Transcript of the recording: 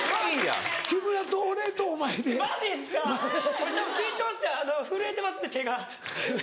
俺たぶん緊張して震えてますね手が。